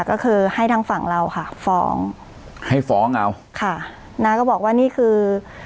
ก็คือให้ทางฝั่งเราค่ะฟ้องให้ฟ้องเอาค่ะน้าก็บอกว่านี่คือ